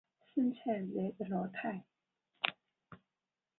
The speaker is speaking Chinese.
圣莱热德罗泰。